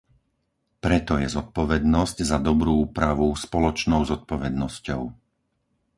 Preto je zodpovednosť za dobrú úpravu spoločnou zodpovednosťou.